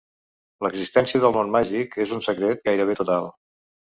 L'existència del món màgic és un secret gairebé total.